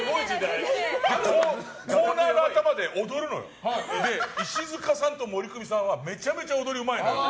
コーナーの頭で踊るのよ石塚さんとモリクミさんは踊りうまいのよ。